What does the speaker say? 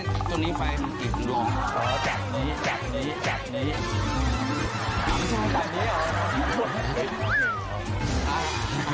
จากนี้จากนี้จากนี้